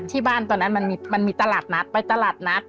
ตอนนั้นมันมีตลาดนัดไปตลาดนัด